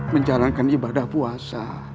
menjalankan ibadah puasa